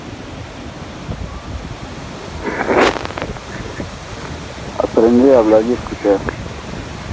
Este fue editado para Estados Unidos y Puerto Rico.